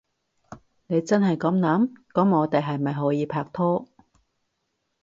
你真係噉諗？噉我哋係咪可以拍拖？